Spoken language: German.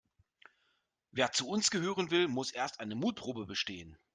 Wer zu uns gehören will, muss erst eine Mutprobe bestehen.